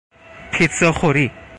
پیتزا خوری